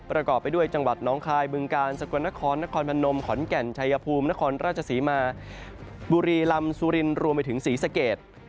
ประกอบไปด้วยจังหวัดน้องคายบึงกาลสกลนครนครพนมขอนแก่นชัยภูมินครราชศรีมาบุรีลำสุรินรวมไปถึงศรีสเกต